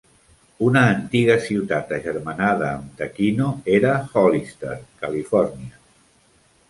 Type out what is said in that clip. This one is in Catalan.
Una antiga ciutat agermanada amb Takino era Hollister, Califòrnia.